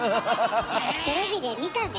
テレビで見たで。